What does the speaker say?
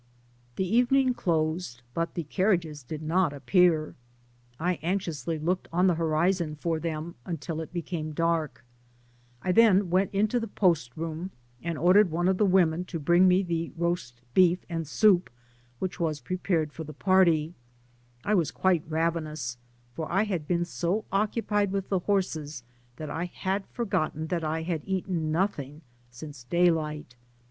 The evening closed, but the carriages did not ap Digitized byGoogk THB PAMPAS. 268 s pear. I anxiously looked on the horizon for them, until it became dark ; I then went into the post room, and ordered one of the women to bring me the roast beef and soup which was prepared for the party, I was quite ravenous^ for I had been so oc cupied with the horses, that I had forgotten that I had eaten nothing since daylight.